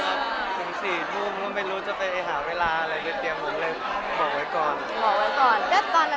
ถึงสี่ทุ่มงบหนุ่มไม่รู้จะไปหาเวลาอะไรเขาไปเตรียมผมเลยบอกไว้ก่อน